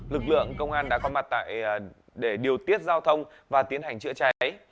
lực lượng công an đã có mặt để điều tiết giao thông và tiến hành chữa cháy